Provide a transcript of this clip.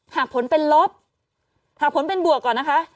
หากผลเป็นลบหากผลเป็นบวกก่อนนะคะ